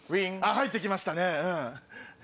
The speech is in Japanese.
入って来ましたね。